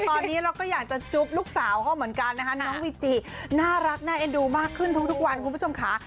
ตอนนี้เราก็อยากจะจุ๊บลูกสาวเขาเหมือนกันนะคะน้องวิจิน่ารักน่าเอ็นดูมากขึ้นทุกวันคุณผู้ชมค่ะ